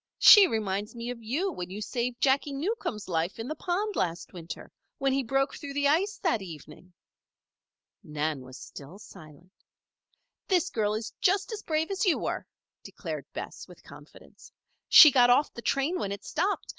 She reminds me of you when you saved Jacky Newcomb's life in the pond last winter when he broke through the ice that evening." Nan still was silent. "This girl is just as brave as you were," declared Bess, with confidence. "She got off the train when it stopped.